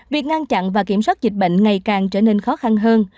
việc ngăn chặn và kiểm soát dịch bệnh ngày càng trở nên khó khăn hơn